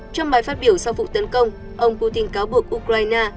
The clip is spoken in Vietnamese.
trong bài phát biểu sau vụ tấn công ông putin cáo buộc ukraine